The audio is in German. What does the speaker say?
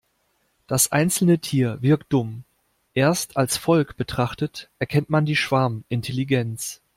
Das einzelne Tier wirkt dumm, erst als Volk betrachtet erkennt man die Schwarmintelligenz.